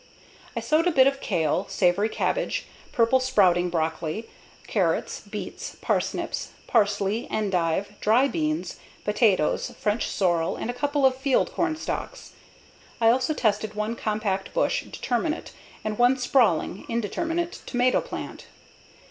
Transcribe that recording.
I sowed a bit of kale, savoy cabbage, Purple Sprouting broccoli, carrots, beets, parsnips, parsley, endive, dry beans, potatoes, French sorrel, and a couple of field cornstalks. I also tested one compact bush (determinate) and one sprawling (indeterminate) tomato plant.